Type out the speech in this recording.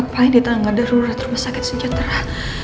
apa yang ditangga darurat rumah sakit sejatera